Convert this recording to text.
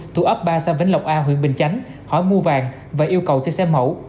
thủ ấp ba xa vĩnh lộc a huyện bình chánh hỏi mua vàng và yêu cầu theo xe mẫu